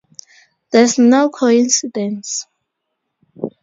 That's no coincidence.